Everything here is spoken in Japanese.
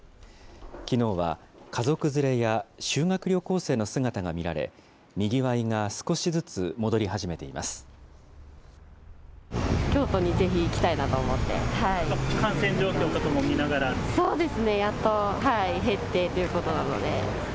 きのうは、家族連れや修学旅行生の姿が見られ、にぎわいが少しずつ戻り始めています。